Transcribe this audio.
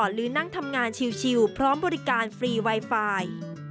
หรือนั่งทำงานชิวพร้อมบริการฟรีไวไฟ